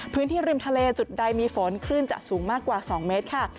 พื้นที่ริมทะเลจุดใดมีฝนคลื่นจะสูงมากกว่า๒เมตรค่ะ